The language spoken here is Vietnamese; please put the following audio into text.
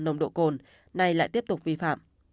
nồng độ cồn nay lại tiếp tục vi phạm